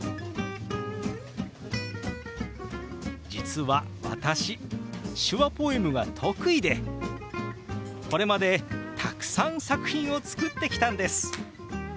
実は私手話ポエムが得意でこれまでたくさん作品を作ってきたんです。